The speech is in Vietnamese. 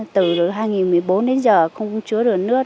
từ hai nghìn một mươi bốn đến giờ không có chứa được nước